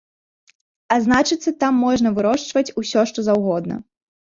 А значыцца, там можна вырошчваць усё што заўгодна.